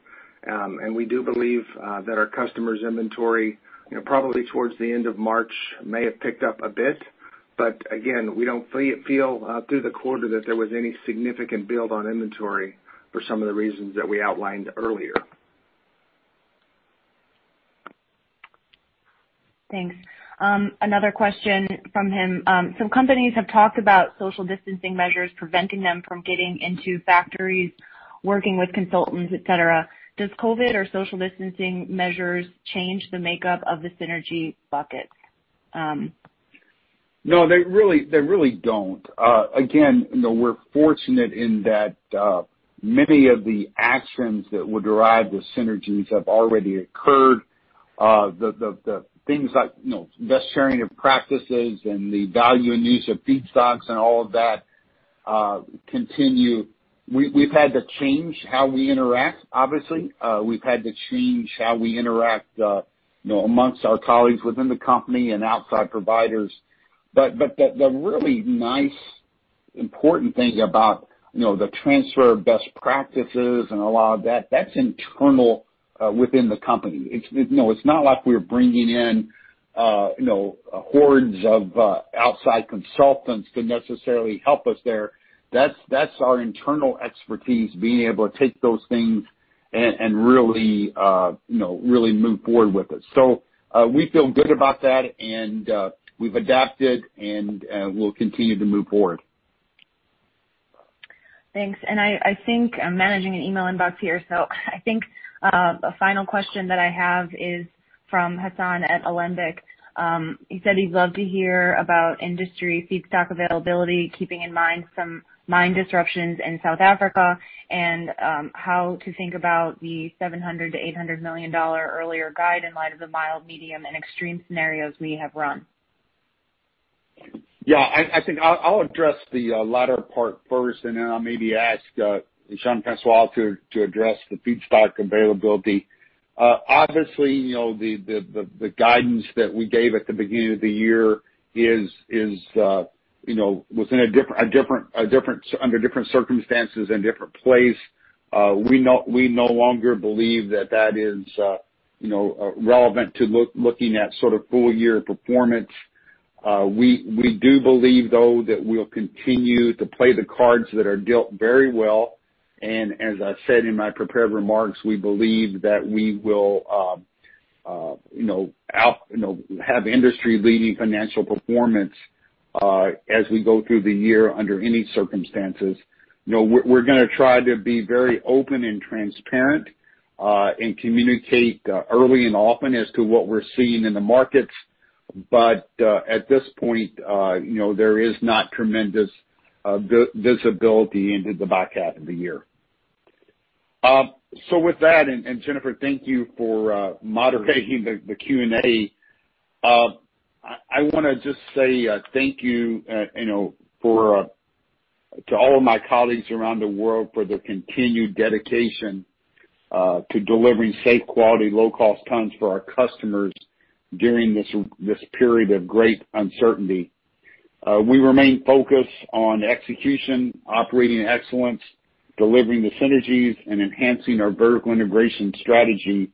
We do believe that our customers' inventory, probably towards the end of March may have picked up a bit. Again, we don't feel through the quarter that there was any significant build on inventory for some of the reasons that we outlined earlier. Thanks. Another question from him. Some companies have talked about social distancing measures preventing them from getting into factories, working with consultants, et cetera. Does COVID or social distancing measures change the makeup of the synergy buckets? No, they really don't. We're fortunate in that many of the actions that would derive the synergies have already occurred. The things like best sharing of practices and the value in use of feedstocks and all of that continue. We've had to change how we interact, obviously. We've had to change how we interact amongst our colleagues within the company and outside providers. The really nice, important thing about the transfer of best practices and a lot of that's internal within the company. It's not like we're bringing in hordes of outside consultants to necessarily help us there. That's our internal expertise, being able to take those things and really move forward with it. We feel good about that, and we've adapted, and we'll continue to move forward. Thanks. I'm managing an email inbox here, so I think a final question that I have is from Hassan at Alembic. He said he'd love to hear about industry feedstock availability, keeping in mind some mine disruptions in South Africa, and how to think about the $700 million-$800 million earlier guide in light of the mild, medium, and extreme scenarios we have run. Yeah. I think I'll address the latter part first, then I'll maybe ask Jean-François to address the feedstock availability. Obviously, the guidance that we gave at the beginning of the year was under different circumstances and different plays. We no longer believe that that is relevant to looking at full-year performance. We do believe, though, that we'll continue to play the cards that are dealt very well. As I said in my prepared remarks, we believe that we will have industry-leading financial performance as we go through the year under any circumstances. We're going to try to be very open and transparent, and communicate early and often as to what we're seeing in the markets. At this point, there is not tremendous visibility into the back half of the year. With that, and Jennifer, thank you for moderating the Q&A. I want to just say thank you to all of my colleagues around the world for their continued dedication to delivering safe, quality, low-cost tons for our customers during this period of great uncertainty. We remain focused on execution, operating excellence, delivering the synergies, and enhancing our vertical integration strategy,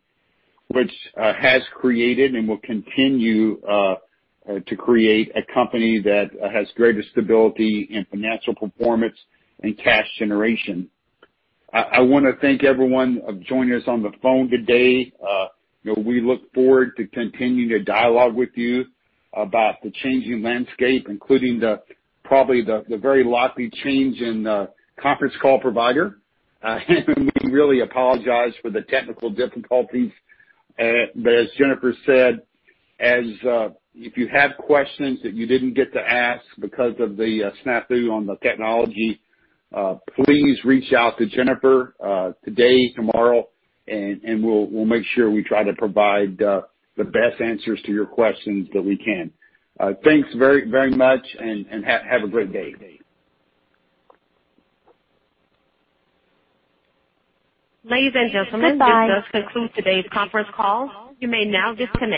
which has created and will continue to create a company that has greater stability in financial performance and cash generation. I want to thank everyone for joining us on the phone today. We look forward to continuing a dialogue with you about the changing landscape, including probably the very likely change in conference call provider. We really apologize for the technical difficulties. As Jennifer said, if you have questions that you didn't get to ask because of the snafu on the technology, please reach out to Jennifer today, tomorrow, and we'll make sure we try to provide the best answers to your questions that we can. Thanks very much and have a great day. Ladies and gentlemen. Goodbye. This does conclude today's conference call. You may now disconnect.